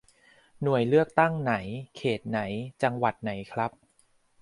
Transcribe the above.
หน่วยเลือกตั้งไหน เขตไหน จังหวัดไหนครับ